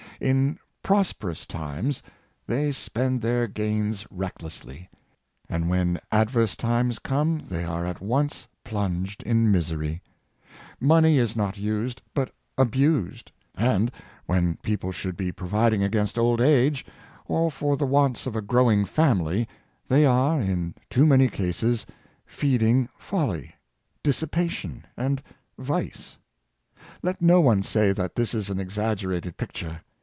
In "prosperous times" they spend their gains recklessly; and when adverse times come they are at once plunged in miser}^ Money is not used, but abused; and, when people should be pro viding against old age, or for the wants of a growing famity, they are, in too many cases, feeding folly, dis sipation and vice. Let no one say that this is an exag gerated picture.